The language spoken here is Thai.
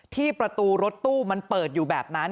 ที่ประตูรถตู้มันเปิดอยู่แบบนั้น